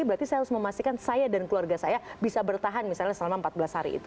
berarti saya harus memastikan saya dan keluarga saya bisa bertahan misalnya selama empat belas hari itu